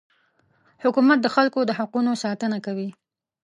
حکومت د خلکو د حقونو ساتنه کوي.